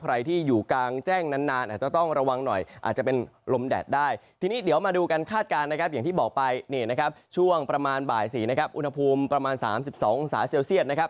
ใครที่อยู่กลางแจ้งนานอาจจะต้องระวังหน่อยอาจจะเป็นลมแดดได้ทีนี้เดี๋ยวมาดูการคาดการณ์นะครับอย่างที่บอกไปนี่นะครับช่วงประมาณบ่าย๔นะครับอุณหภูมิประมาณ๓๒องศาเซลเซียตนะครับ